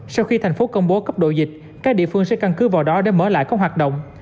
sau khi thành phố công bố cấp độ dịch các địa phương sẽ căn cứ vào đó để mở lại các hoạt động